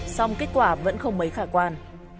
xong kết quả vẫn không mấy khả quan